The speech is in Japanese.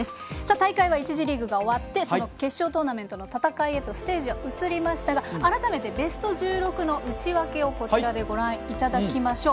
大会は１次リーグが終わってその決勝トーナメントの戦いへとステージは移りましたが改めて、ベスト１６の内訳をご覧いただきましょう。